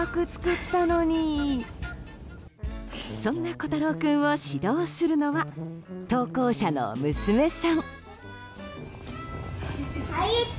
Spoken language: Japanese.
そんな、こたろう君を指導するのは投稿者の娘さん。